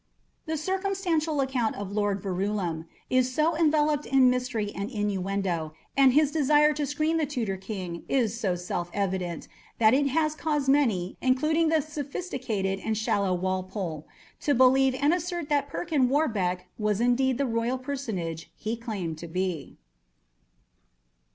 The circumstantial account of Lord Verulam is so enveloped in mystery and innuendo, and his desire to screen the Tudor King is so self evident, that it has caused many, including the sophistical and shallow Walpole, to believe and assert that "Perkin Warbeck" was indeed the royal personage he claimed to be.